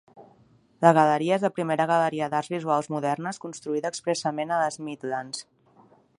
La galeria és la primera galeria d'arts visuals modernes construïda expressament a les Midlands.